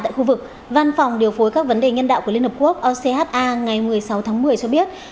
tại khu vực văn phòng điều phối các vấn đề nhân đạo của liên hợp quốc ocha ngày một mươi sáu tháng một mươi cho biết